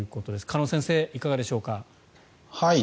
鹿野先生、いかがでしょうか。